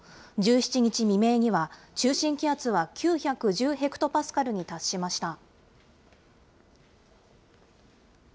１７日未明には中心気圧は９１０ヘクトパスカルに達しました。